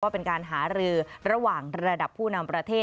เป็นการหารือระหว่างระดับผู้นำประเทศ